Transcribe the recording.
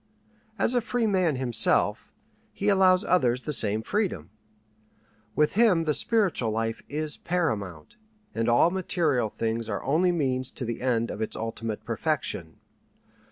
As a free man himself, he allows others the same freedom. With him the spiritual life is paramount, and all material things are only means to the end of its ultimate perfection.